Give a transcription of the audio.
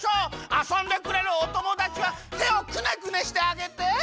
あそんでくれるおともだちはてをくねくねしてあげて！